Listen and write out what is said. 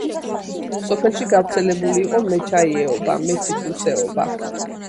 სოფელში გავრცელებული იყო მეჩაიეობა, მეციტრუსეობა.